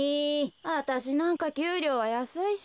あたしなんかきゅうりょうはやすいし。